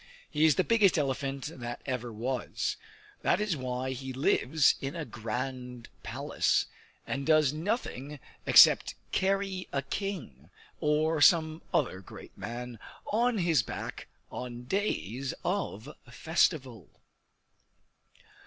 He is the biggest elephant that ever was; that is why he lives in a grand palace, and does nothing except carry a King, or some other great man, on his back on days of festival.